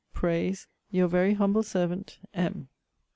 prays Your very humble servant, M.